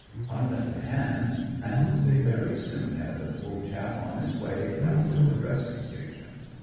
I lent a hand, and they very soon had the poor chap on his way down to the dressing station.